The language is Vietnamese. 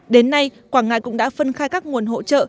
đến nay quảng ngãi cũng đã phân khai các nguồn hỗ trợ